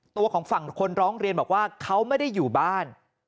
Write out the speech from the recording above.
ตัวของฝั่งคนร้องเรียนบอกว่าเขาไม่ได้อยู่บ้าน